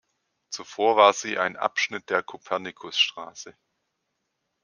Zuvor war sie ein Abschnitt der Kopernikusstraße.